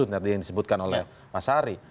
tadi yang disebutkan oleh mas ari